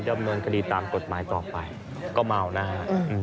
ดำเนินคดีตามกฎหมายต่อไปก็เมานะฮะ